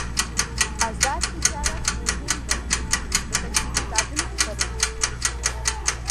آزاد تجارت مهم دی ځکه چې کتابونه خپروي.